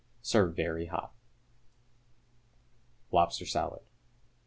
Serve very hot. =Lobster Salad.